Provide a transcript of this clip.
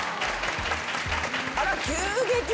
あら急激に。